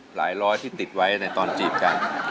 ร้อยที่ติดไว้ในตอนจีบกัน